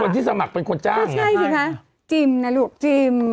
คือคนที่สมัครเป็นคนจ้างใช่ใช่ใช่ค่ะจีมน่ะลูกจีม